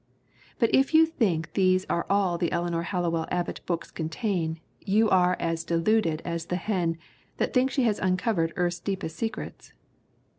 But if you think these are all the Eleanor Hal lowell Abbott books contain you are as deluded as the hen that thinks she has uncovered earth's deepest secrets.